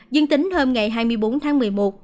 dương tính hôm ngày hai mươi bốn tháng một mươi một